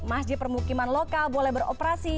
masjid permukiman lokal boleh beroperasi